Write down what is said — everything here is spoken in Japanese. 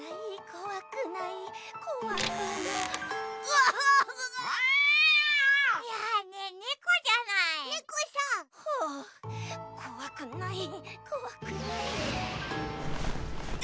こわくないこわくない。